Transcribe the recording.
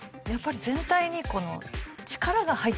やっぱり全体にこの。